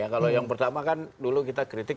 kalau yang pertama kan dulu kita kritik